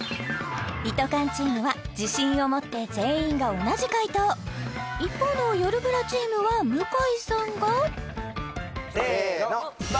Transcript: リトかんチームは自信を持って全員が同じ解答一方のよるブラチームは向井さんがせの！